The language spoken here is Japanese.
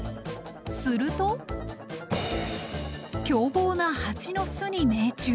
すると凶暴なハチの巣に命中。